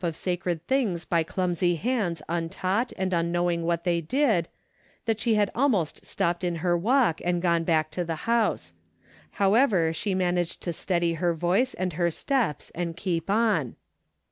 of sacred things by clumsy hands untaught and unknow ing what they did, that she had almost stopped in her walk and gone back to the house. How ever, she managed to steady her voice and her steps and keep on.